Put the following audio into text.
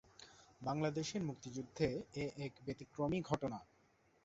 বাংলাদেশের মুক্তিযুদ্ধে এ এক ব্যতিক্রমী ঘটনা।